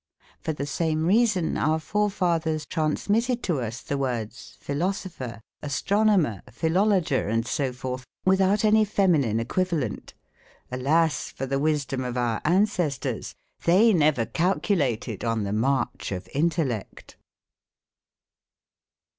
For the same reason, our forefathers transmitted to us the words, philosopher, astronomer, philologer, and so forth, without any feminine equivalent. Alas ! for the wisdom of our ancestors ! They never calculated on the March of Intellect.